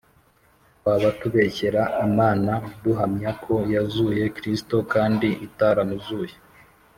twaba tubeshyera Imana duhamya ko yazuye Kristo kandi itaramuzuye